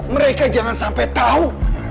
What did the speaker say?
mereka jangan sampai tau